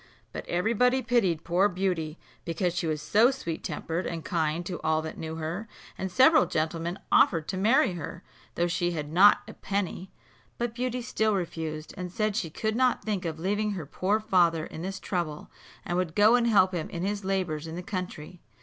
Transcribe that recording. But every body pitied poor Beauty, because she was so sweet tempered and kind to all that knew her; and several gentlemen offered to marry her, though she had not a penny; but Beauty still refused, and said she could not think of leaving her poor father in this trouble and would go and help him in his labours in the country.